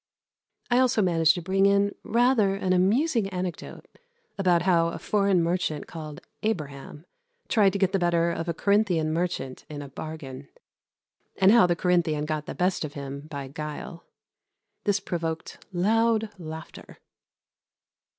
I also managed to bring in rather an amusing anecdote about how a foreign merchant called Abraham tried to get the better of a Corinthian merchant in a bargain, and how the Corinthian got the best of him by guile. This provoked loud laughter.